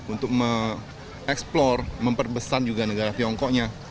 untuk mengeksplor memperbesar juga negara tiongkoknya